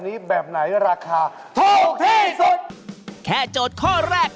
นี่เตะเกียงใจทาน